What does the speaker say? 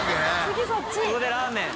ここでラーメン。